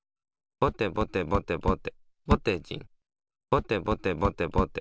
ぼてぼてぼてぼて。